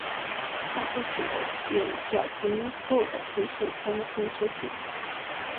但不久有以小钱铺的形式重新出现。